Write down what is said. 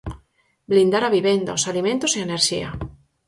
Blindar a vivenda, os alimentos e a enerxía.